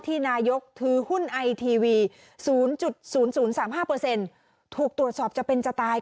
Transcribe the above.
นายกถือหุ้นไอทีวี๐๐๓๕ถูกตรวจสอบจะเป็นจะตาย